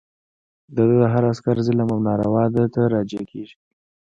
د ده د هر عسکر ظلم او ناروا ده ته راجع کېږي.